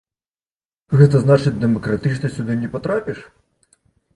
Гэта значыць дэмакратычна сюды не патрапіш?